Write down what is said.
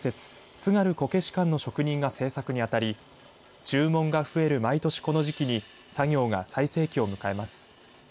津軽こけし館の職人が制作に当たり注文が増える毎年この時期に作業が最盛期を迎えます。